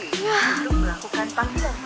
untuk melakukan panggilan